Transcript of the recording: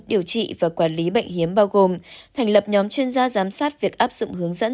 điều trị và quản lý bệnh hiếm bao gồm thành lập nhóm chuyên gia giám sát việc áp dụng hướng dẫn